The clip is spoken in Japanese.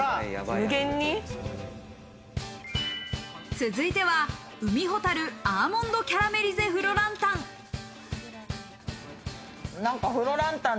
続いては海ほたるアーモンドキャラメリゼフロランタン。